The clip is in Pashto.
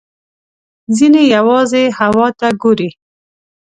ځینې یوازې هوا ته ګوري.